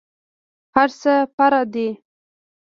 هرڅه فرع دي.